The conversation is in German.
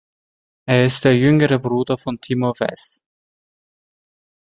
Er ist der jüngere Bruder von Timo Wess.